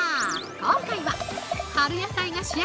今回は春野菜が主役。